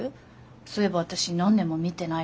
そういえば私何年も見てないかも。